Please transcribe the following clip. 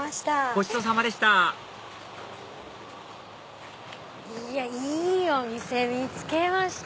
ごちそうさまでしたいやいいお店見つけました。